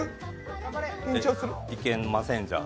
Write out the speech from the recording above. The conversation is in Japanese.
いけません、じゃあ。